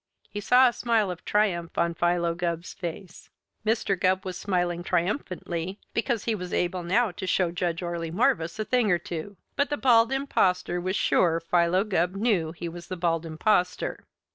He saw a smile of triumph on Philo Gubb's face. Mr. Gubb was smiling triumphantly because he was able now to show Judge Orley Morvis a thing or two, but the Bald Impostor was sure Philo Gubb knew he was the Bald Impostor.